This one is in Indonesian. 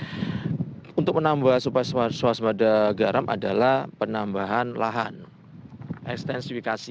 nah untuk menambah suasana garam adalah penambahan lahan ekstensifikasi